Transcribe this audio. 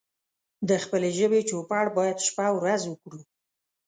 د خپلې ژبې چوپړ بايد شپه او ورځ وکړو